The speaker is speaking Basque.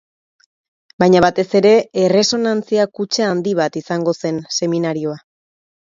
Baina batez ere, erresonantzia kutxa handi bat izango zen seminarioa.